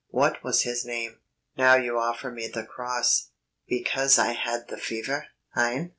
What was his name? Now you offer me the cross. Because I had the fever, hein?"